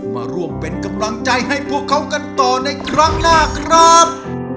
มาร่วมเป็นกำลังใจให้พวกเขากันต่อในครั้งหน้าครับ